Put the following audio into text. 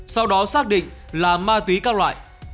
sau đó xác định là ma túy các loại